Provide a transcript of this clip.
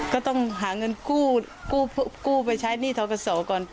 ก็ต้องหาเงินกู้ไปใช้หนี้เทาประสงค์ก่อน